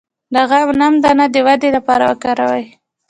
د غنم دانه د ودې لپاره وکاروئ